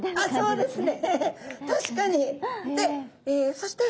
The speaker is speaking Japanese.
そうですね。